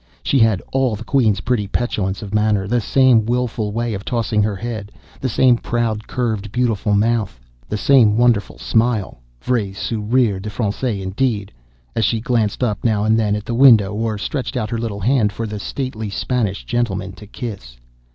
She had all the Queen's pretty petulance of manner, the same wilful way of tossing her head, the same proud curved beautiful mouth, the same wonderful smile—vrai sourire de France indeed—as she glanced up now and then at the window, or stretched out her little hand for the stately Spanish gentlemen to kiss.